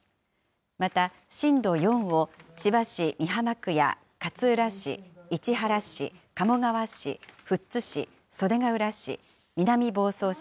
また、震度４を千葉市美浜区や勝浦市、市原市、鴨川市、富津市、袖ケ浦市、南房総市。